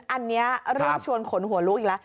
อันนี้เชิญขนหัวลูกอีกแล้ว